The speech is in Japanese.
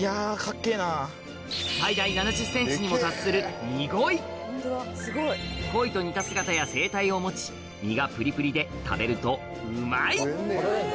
にも達するニゴイ鯉と似た姿や生態を持ち身がプリプリで食べるとうまい！